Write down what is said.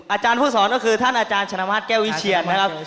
อาจารย์ผู้สอนก็คือท่านอาจารย์ชนะมาสแก้ววิเชียนนะครับ